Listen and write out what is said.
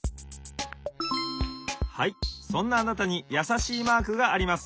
・はいそんなあなたにやさしいマークがあります。